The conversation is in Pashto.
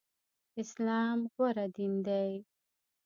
اسلام غوره دين دی.